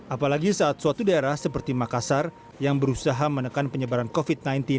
apalagi saat suatu daerah seperti makassar yang berusaha menekan penyebaran covid sembilan belas